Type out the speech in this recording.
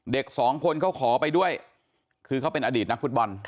เด็กสองคนเขาขอไปด้วยคือเขาเป็นอดีตนักฟุตบอล